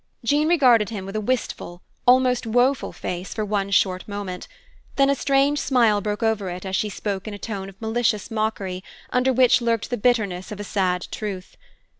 Jean regarded him with a wistful, almost woeful face, for one short moment; then a strange smile broke over it, as she spoke in a tone of malicious mockery, under which lurked the bitterness of a sad truth.